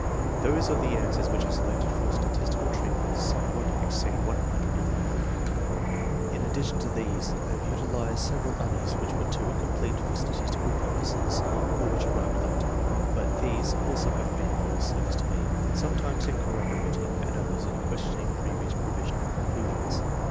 Those of the answers which are selected for statistical treatment somewhat exceed 100 in number. In addition to these, I have utilized several others which were too incomplete for statistical purposes, or which arrived late, but these also have been of real service to me; sometimes in corroborating, at others in ques tioning previous provisional conclusions.